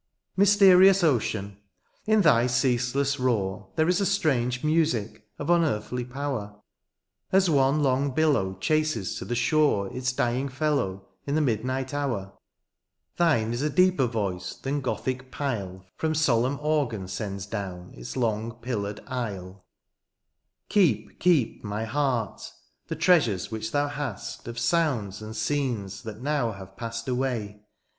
Mysterious ocean, in thy ceaseless roar There is a strange music of unearthly power. THE EXILE SONG. 169 As one long billow chases to the shore Its dying fellow, in the midnight hour; — Thine is a deeper voice than Gothic pile From solemn organ sends down its long pillared aisle. Keep, keep my heart, the treasures which thou hast Of sounds and scenes that now have passed away.